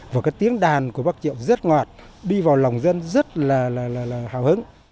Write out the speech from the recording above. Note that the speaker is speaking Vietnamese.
và cái tiếng đàn của bác triệu rất ngọt đi vào lòng dân rất là hào hứng